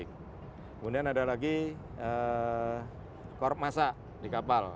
kemudian ada lagi korp masa di kapal